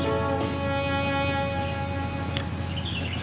siap banget dulu ya